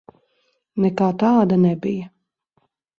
Nekā tāda nebija.